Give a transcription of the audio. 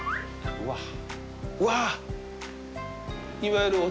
うわっ！